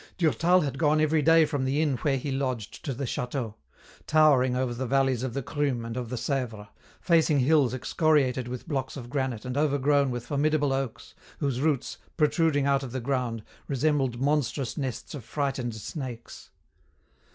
Durtal had gone every day from the inn where he lodged to the château, towering over the valleys of the Crume and of the Sèvre, facing hills excoriated with blocks of granite and overgrown with formidable oaks, whose roots, protruding out of the ground, resembled monstrous nests of frightened snakes.